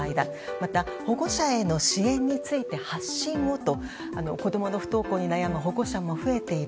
また、保護者への支援について発信をと子供の不登校に悩む保護者も増えている。